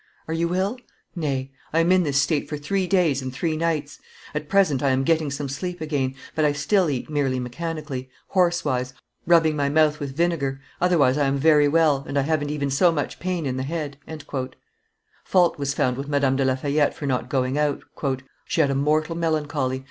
Are you ill? Nay. I am in this state for three days and three nights. At present I am getting some sleep again, but I still eat merely mechanically, horse wise, rubbing my mouth with vinegar otherwise I am very well, and I haven't even so much pain in the head." Fault was found with Madame de La Fayette for not going out. "She had a mortal melancholy.